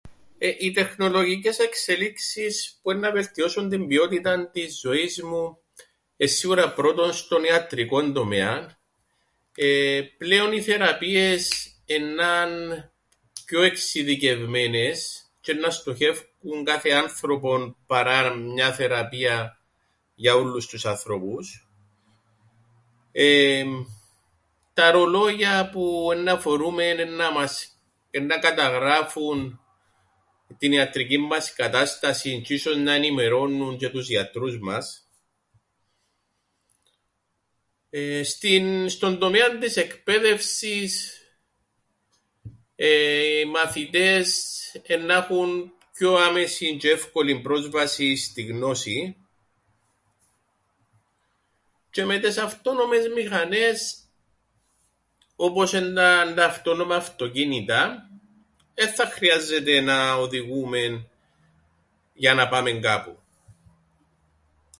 Εεε... οι τεχνολογικές εξελίξεις που 'ννά βελτιώσουν την ποιότηταν της ζωής μου εν' σίουρα πρώτον στον ιατρικόν τομέαν. Πλέον οι θεραπείες εννά 'ν' πιο εξειδικευμένες τζ̆'' εννά στοχεύκουν κάθε άνθρωπον παρά μια θεραπεία για ούλλους τους ανθρώπους. Εμμ.. τα ρολόγια που εννά φορούμεν εννά μας... εννά καταγράφουν την ιατρικήν μας κατάστασην τζ̆ ίσως να ενημερώνουν τζ̆αι τους γιατρούς μας. Εεε... στην... στον τομέαν της εκπαίδευσης εεε... οι μαθητές εννά 'χουν πιο άμεσην τζ̆αι εύκολην πρόσβασην στην γνώσην τζ̆αι με τες αυτόνομες μηχανές όπως εννά 'ν' τα αυτόνομα αυτοκίνητα εν θα χρειάζεται να οδηγούμεν για να πάμεν κάπου.